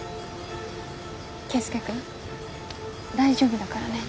圭輔君大丈夫だからね。